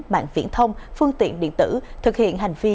mạng viễn thông phương tiện điện tử thực hiện hành vi